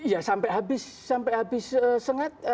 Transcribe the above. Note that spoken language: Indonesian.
ya sampai habis sengat